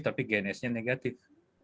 tapi gen s nya negatif